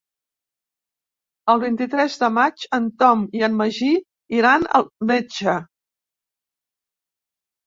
El vint-i-tres de maig en Tom i en Magí iran al metge.